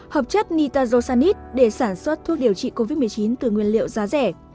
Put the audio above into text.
hợp chất nitajosanite để sản xuất thuốc điều trị covid một mươi chín từ nguyên liệu giá rẻ